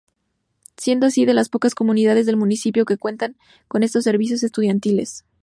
Siendo así de las pocas comunidades del municipio que cuentan con estos servicios estudiantiles.